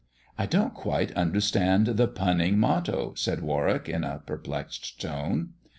"I don't quite understand the punning motto," said Warwick, in a perplexed tone.